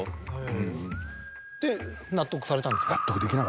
で納得されたんですか？